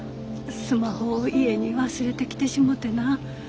スマホを家に忘れてきてしもてな。